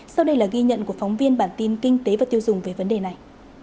sau đây là ghi nhận của phóng viên bản tin kinh tế và tiêu dùng về vấn đề này